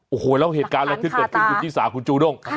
โอ้โหแล้วเหตุการณ์อะไรขึ้นกับที่สาขุนจูด้ง